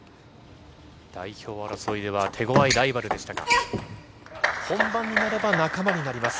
代表争いでは手ごわいライバルでしたが、本番になれば仲間になります。